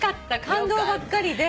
感動ばっかりで。